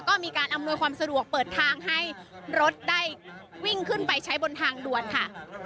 ก็มีการอำนวยความสะดวกเปิดทางให้รถได้วิ่งขึ้นไปใช้บนทางด่วนค่ะ